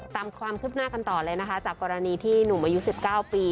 ตามความคืบหน้ากันต่อเลยนะคะจากกรณีที่หนุ่มอายุ๑๙ปี